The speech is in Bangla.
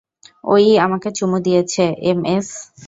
ও-ই আমাকে চুমু দিয়েছে, এমএস।